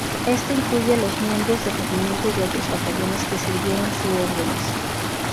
Esto incluye los miembros del regimiento y de otros batallones que sirvieron su órdenes.